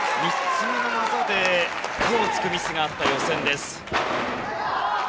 ３つ目の技で手をつくミスがあった予選です。